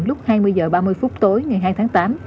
lúc hai mươi h ba mươi phút tối ngày hai tháng tám